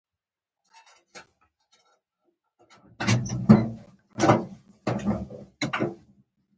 هلک د صداقت نښه ده.